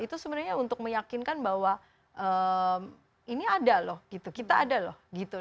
itu sebenarnya untuk meyakinkan bahwa ini ada loh gitu kita ada loh gitu